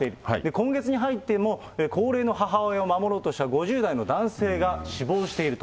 今月に入っても、高齢の母親を守ろうとした５０代の男性が死亡していると。